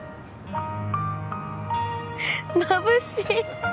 まぶしい